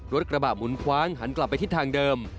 รถกระบะหมุนคว้างหันกลับไปทิศทางเดิม